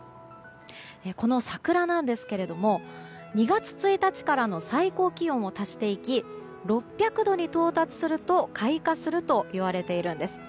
この桜なんですが２月１日からの最高気温を足していき６００度に到達すると開花するといわれているんです。